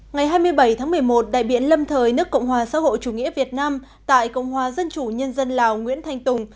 ngày hai mươi bảy tháng một mươi một đại biện lâm thời nước cộng hòa xã hội chủ nghĩa việt nam tại cộng hòa dân chủ nhân dân lào nguyễn thanh tùng